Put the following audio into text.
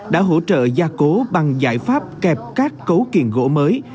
đã hỗ trợ gia cố bằng giải pháp kẹp các cấu kiện gỗ mới